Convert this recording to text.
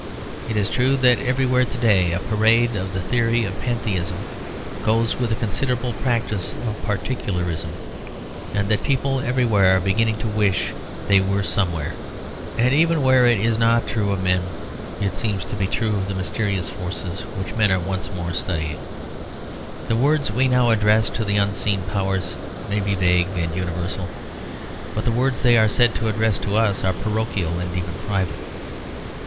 It is true that everywhere to day a parade of the theory of pantheism goes with a considerable practice of particularism; and that people everywhere are beginning to wish they were somewhere. And even where it is not true of men, it seems to be true of the mysterious forces which men are once more studying. The words we now address to the unseen powers may be vague and universal, but the words they are said to address to us are parochial and even private.